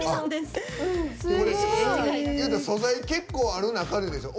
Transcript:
素材、結構ある中ででしょ。